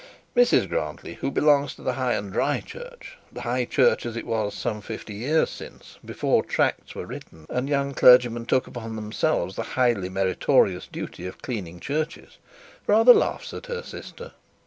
Mrs Grantly, who belongs to the high and dry church, the high church as it was some fifty years since, before tracts were written and young clergymen took upon themselves the highly meritorious duty of cleaning churches, rather laughs at her sister.